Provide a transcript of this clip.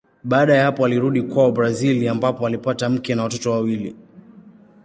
Baada ya hapo alirudi kwao Brazili ambapo alipata mke na watoto wawili.